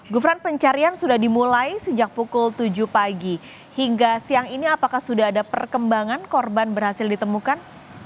gufran pencarian sudah dimulai sejak pukul tujuh pagi hingga siang ini apakah sudah ada perkembangan korban berhasil ditemukan